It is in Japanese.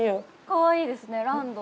かわいいですね、ランド。